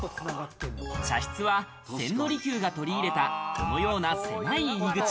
茶室は千利休が取り入れたこのような狭い入り口。